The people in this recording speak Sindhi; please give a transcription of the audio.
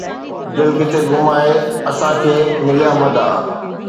دل ڪٿي گم آهي، اسان کي مليا مدعا